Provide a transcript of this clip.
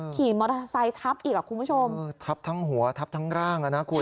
ขี่มอเตอร์ไซค์ทับอีกอ่ะคุณผู้ชมเออทับทั้งหัวทับทั้งร่างอ่ะนะคุณ